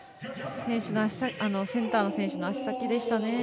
センターの選手の足先でしたね。